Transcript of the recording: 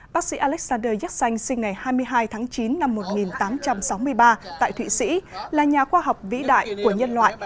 bác sĩ alexander yaksanh sinh ngày hai mươi hai tháng chín năm một nghìn tám trăm sáu mươi ba tại thụy sĩ là nhà khoa học vĩ đại của nhân loại